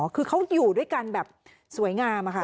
คือเขาอยู่ด้วยกันแบบสวยงามอะค่ะ